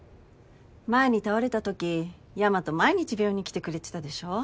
前に倒れたとき大和毎日病院に来てくれてたでしょ？